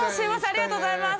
ありがとうございます。